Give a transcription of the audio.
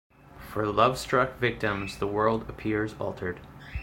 For love-struck victims, the world appears altered.